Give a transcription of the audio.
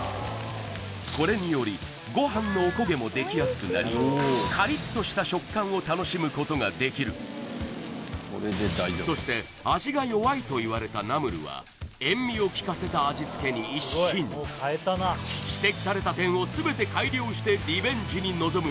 これによりご飯のおこげもできやすくなりカリッとした食感を楽しむことができるそして味が弱いといわれたナムルは塩味をきかせた味付けに一新指摘された点を全て改良してリベンジに臨む